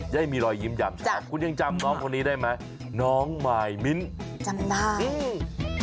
ยังมีรอยยิ้มหยามเช้าคุณยังจำน้องคนนี้ได้ไหมน้องมายมิ้นจำได้อืม